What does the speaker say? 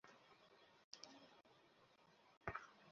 দ্রুত আমার পিঠে চড়ে বসো।